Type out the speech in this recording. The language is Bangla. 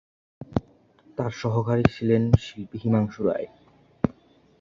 তার সহকারী ছিলেন শিল্পী হিমাংশু রায়।